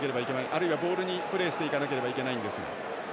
あるいはボールにプレーしていかなければいけないんですが。